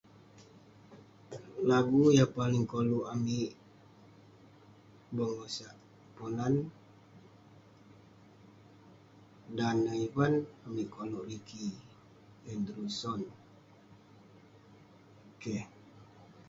Lagu yah paling koluek amik bengosak ponan dah nah ivan amik koluk Ricky Anderson keh